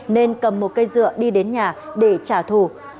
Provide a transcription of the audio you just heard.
nên cầm một cây dựa đi đến nhà để trả thù